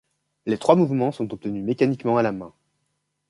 Les trois mouvements sont obtenus mécaniquement à la main.